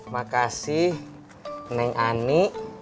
makasih neng ani